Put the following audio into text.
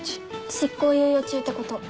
執行猶予中ってこと。